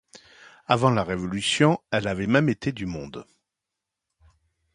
Avant la révolution elle avait même été du monde.